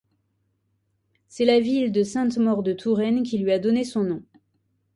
C’est la ville de Sainte-Maure-de-Touraine qui lui a donné son nom.